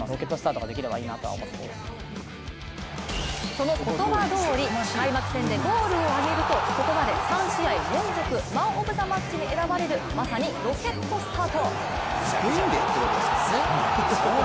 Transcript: その言葉どおり開幕戦でゴールをあげるとここまで３試合連続、マン・オブ・ザ・マッチに選ばれるまさにロケットスタート。